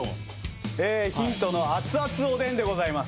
ヒントの熱々おでんでございます。